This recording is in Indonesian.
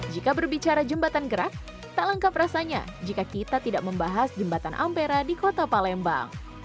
jika berbicara jembatan gerak tak lengkap rasanya jika kita tidak membahas jembatan ampera di kota palembang